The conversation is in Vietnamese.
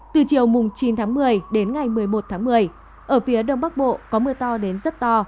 từ chiều chín tháng một mươi đến ngày một mươi một tháng một mươi ở phía đông bắc bộ có mưa to đến rất to